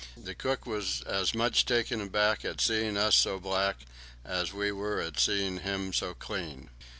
The cook was as much taken aback at seeing us so black as we were at seeing him so clean.